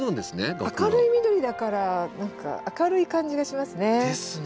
明るい緑だから何か明るい感じがしますね。ですね。